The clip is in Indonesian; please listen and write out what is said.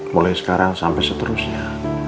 mulai sekarang sampai seterusnya